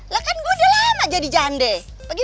lah kan gue udah lama jadi jantung ya